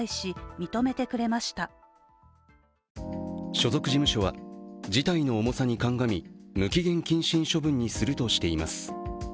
所属事務所は、事態の重さに鑑み無期限謹慎処分にするとしています。